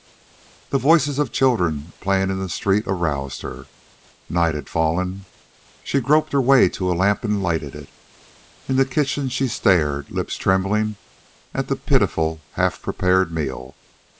The voices of children playing in the street aroused her. Night had fallen. She groped her way to a lamp and lighted it. In the kitchen she stared, lips trembling, at the pitiful, half prepared meal.